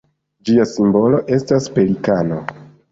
Ĝia simbolo estas pelikano.